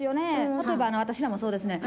例えば私らもそうですねん。